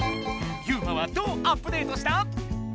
ユウマはどうアップデートした？